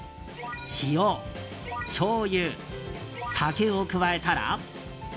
塩、しょうゆ、酒を加えたら。